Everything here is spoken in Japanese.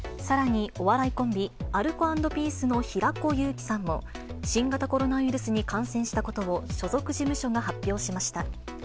さらにお笑いコンビ、アルコ＆ピースの平子祐希さんも、新型コロナウイルスに感染したことを所属事務所が発表しました。